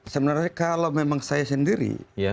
sebenarnya kalau memang saya sendiri